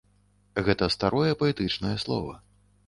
Гэта старое, паэтычнае слова.